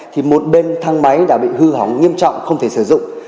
thì một bên thăm máy đã bị hư hóng nghiêm trọng không thể sử dụng